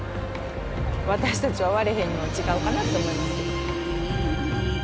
私たちは終われへんのと違うかなと思いますけど。